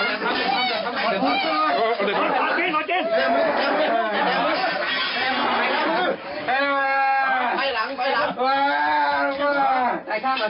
อยู่ไหนชะอยู่ไหนชะ